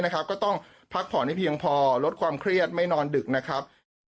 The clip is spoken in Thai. ก็ต้องพักผ่อนให้เพียงพอลดความเครียดไม่นอนดึกนะครับ